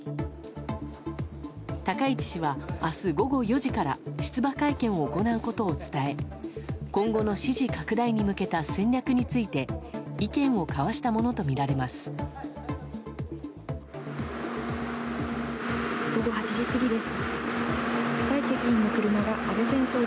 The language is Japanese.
高市氏は、明日午後４時から出馬会見を行うことを伝え今後の支持拡大に向けた戦略について意見を交わしたものとみられます。